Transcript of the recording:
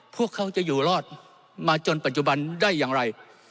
พวกเขาจะอยู่รอดมาจนปัจจุบันได้อย่างไร